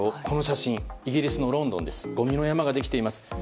この写真はイギリスのロンドンですがごみの山ができています。